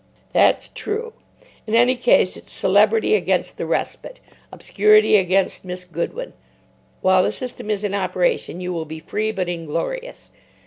'" "That's true. In any case, it's celebrity against the respite, obscurity against Miss Goodwin. While the system is in operation you will be free but inglorious.